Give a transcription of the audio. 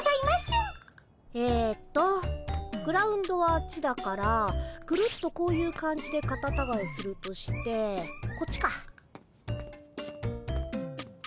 えっとグラウンドはあっちだからぐるっとこういう感じでカタタガエするとしてこっちか。